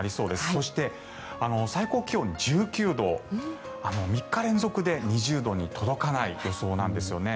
そして、最高気温１９度３日連続で２０度に届かない予想なんですよね。